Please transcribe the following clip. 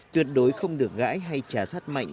tuyệt đối không được gãi hay trả sát mạnh